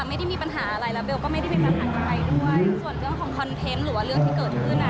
ไม่ได้มีปัญหาอะไรแล้วเบลก็ไม่ได้มีปัญหากับใครด้วยส่วนเรื่องของคอนเทนต์หรือว่าเรื่องที่เกิดขึ้นอ่ะ